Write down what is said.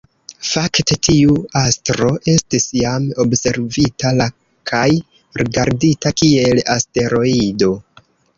Fakte, tiu astro estis jam observita la kaj rigardita kiel asteroido.